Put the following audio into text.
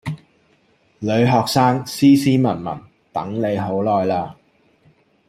女學生，斯斯文文，等你好耐喇